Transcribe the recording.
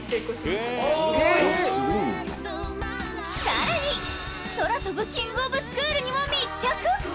さらに空飛ぶキングオブスクールにも密着！